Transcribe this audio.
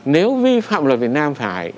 nếu vi phạm luật việt nam phải